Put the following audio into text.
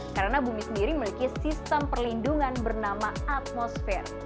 karena bumi sendiri memiliki sistem perlindungan bernama atmosfer